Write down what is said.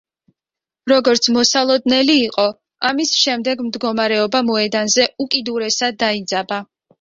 როგორც მოსალოდნელი იყო, ამის შემდეგ მდგომარეობა მოედანზე უკიდურესად დაიძაბა.